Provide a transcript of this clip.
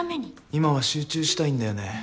今は集中したいんだよね